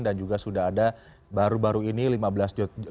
dan juga sudah ada baru baru ini lima belas juta